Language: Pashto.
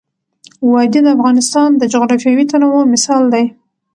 وادي د افغانستان د جغرافیوي تنوع مثال دی.